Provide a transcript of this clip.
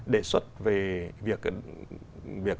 đề xuất về việc